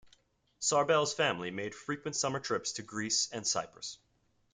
Sarbel's family made frequent summer trips to Greece and Cyprus.